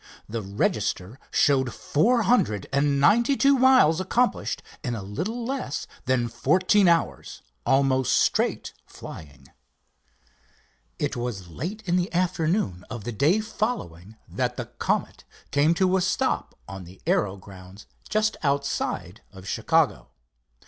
The register showed four hundred and ninety two miles accomplished in a little less than fourteen hours, almost straight flying. It was late in the afternoon of the day following that the Comet came to a stop on the aero grounds just outside of Chicago.